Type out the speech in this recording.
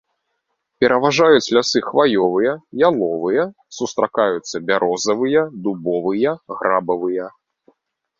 Пераважаюць лясы хваёвыя, яловыя, сустракаюцца бярозавыя, дубовыя, грабавыя.